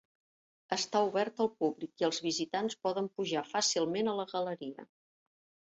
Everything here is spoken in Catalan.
Està obert al públic i els visitants poden pujar fàcilment a la galeria.